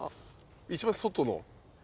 一番外の。